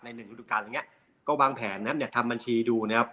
หนึ่งฤดูการอย่างเงี้ยก็วางแผนนะครับเนี่ยทำบัญชีดูนะครับ